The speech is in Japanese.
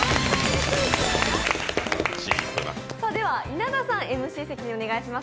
稲田さん、ＭＣ席にお願いします。